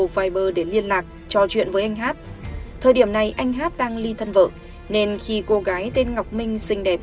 viber để liên lạc trò chuyện với anh hát thời điểm này anh hát đang ly thân vợ nên khi cô gái tên ngọc minh xinh đẹp